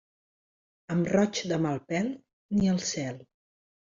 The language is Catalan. Amb roig de mal pèl, ni al cel.